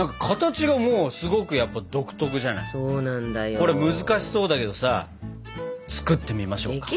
これ難しそうだけどさ作ってみましょうか。